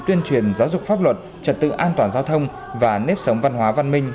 tuyên truyền giáo dục pháp luật trật tự an toàn giao thông và nếp sống văn hóa văn minh